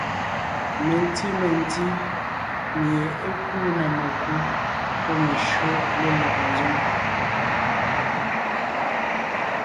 Menti mentí mie é kúu na mekú pɔ́ meshÿó lélɔg ńzoŋ.